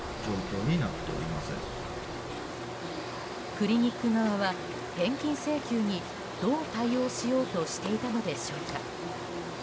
クリニック側は返金請求にどう対応しようとしていたのでしょうか。